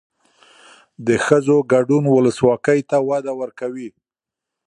د ښځو ګډون ولسواکۍ ته وده ورکوي.